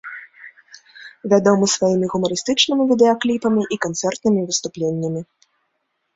Вядомы сваімі гумарыстычнымі відэакліпамі і канцэртнымі выступленнямі.